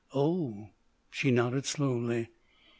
"Oh!" she nodded slowly.